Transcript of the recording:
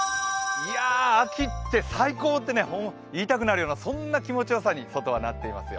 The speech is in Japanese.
秋って最高！って言いたくなるようなそんな気持ちよさに外はなっていますよ。